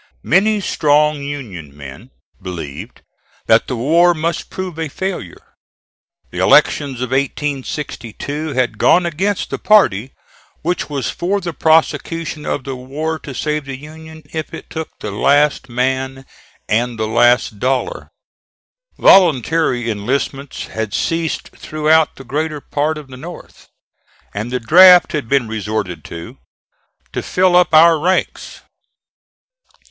Many strong Union men believed that the war must prove a failure. The elections of 1862 had gone against the party which was for the prosecution of the war to save the Union if it took the last man and the last dollar. Voluntary enlistments had ceased throughout the greater part of the North, and the draft had been resorted to to fill up our ranks.